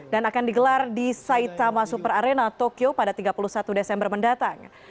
dan akan digelar di saitama super arena tokyo pada tiga puluh satu desember mendatang